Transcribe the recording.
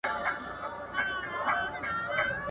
بدمرغي په هغه ورځ ورحواله سي `